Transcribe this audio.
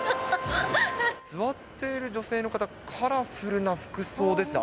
座ってる女性の方、カラフルな服装ですね。